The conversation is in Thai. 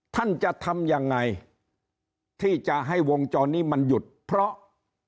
ท่านจะทำยังไงที่จะให้วงจรนี้มันหยุดเพราะ